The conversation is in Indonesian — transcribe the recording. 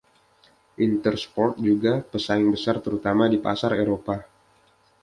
Intersport juga pesaing besar terutama di pasar Eropa.